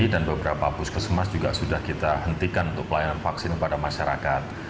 dan beberapa bus kesemas juga sudah kita hentikan untuk pelayanan vaksin kepada masyarakat